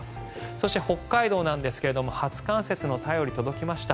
そして、北海道なんですが初冠雪の便りが届きました。